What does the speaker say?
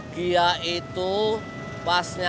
gak cukup pulsaanya